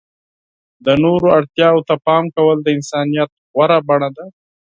د نورو اړتیاوو ته پام کول د انسانیت غوره بڼه ده.